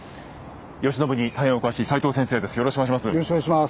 慶喜に大変お詳しい齊藤先生です。